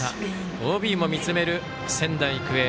ＯＢも見つめる仙台育英。